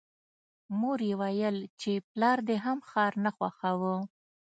مور یې ویل چې پلار دې هم ښار نه خوښاوه